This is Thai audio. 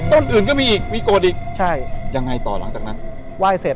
อื่นก็มีอีกมีโกรธอีกใช่ยังไงต่อหลังจากนั้นไหว้เสร็จ